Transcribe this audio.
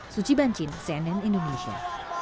suci bancin cnn indonesia